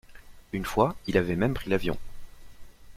Une fois, il avait même pris l’avion.